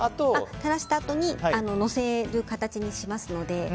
垂らしたあとに載せる形にしますので。